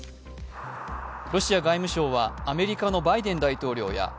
ロシア外務省はアメリカのバイデン大統領や